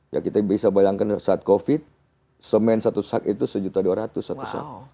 ya kita bisa bayangkan saat covid semen satu sak itu sejuta dua ratus satu set